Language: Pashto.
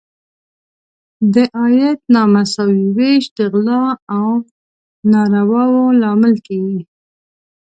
د عاید نامساوي ویش د غلا او نارواوو لامل کیږي.